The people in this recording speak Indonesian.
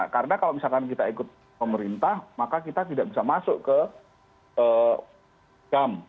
karena kalau misalkan kita ikut pemerintah maka kita tidak bisa masuk ke gam